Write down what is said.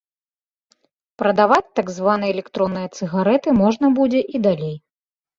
Прадаваць так званыя электронныя цыгарэты можна будзе і далей.